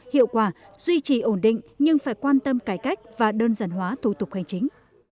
hiệu quả duy trì ổn định nhưng phải quan tâm cải cách và đơn giản hóa thủ tục hành chính